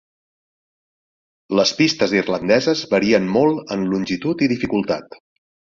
Les pistes irlandeses varien molt en longitud i dificultat.